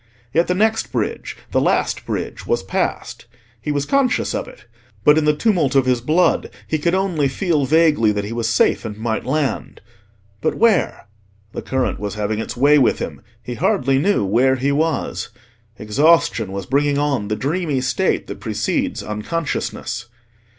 Yet the next bridge—the last bridge—was passed. He was conscious of it; but in the tumult of his blood, he could only feel vaguely that he was safe and might land. But where? The current was having its way with him: he hardly knew where he was: exhaustion was bringing on the dreamy state that precedes unconsciousness.